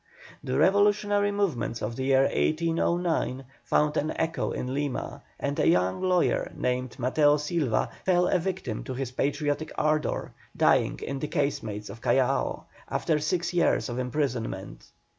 The revolutionary movements of the year 1809 found an echo in Lima, and a young lawyer named Mateo Silva fell a victim to his patriotic ardour, dying in the casemates of Callao, after six years of imprisonment.